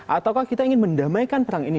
ataukah kita ingin mendamaikan perang ini